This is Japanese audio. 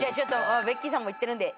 ベッキーさんも言ってるんで。